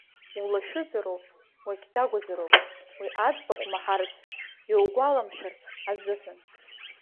Улашәызароуп уагьдагәазароуп уи аӡбахә умаҳарц, иугәаламшәарц азыҳәан.